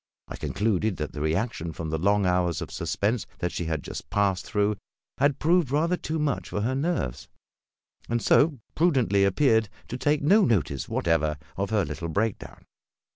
I concluded that the reaction from the long hours of suspense that she had just passed through had proved rather too much for her nerves, and so prudently appeared to take no notice whatever of her little break down.